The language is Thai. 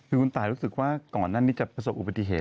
คุณตาลรู้สึกว่าก่อนนั้นมีอุปถิเสธ